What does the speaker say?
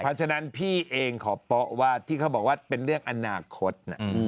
เพราะฉะนั้นพี่เองขอโป๊ะว่าที่เขาบอกว่าเป็นเรื่องอนาคต